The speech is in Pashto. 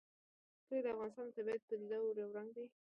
کلي د افغانستان د طبیعي پدیدو یو رنګ دی.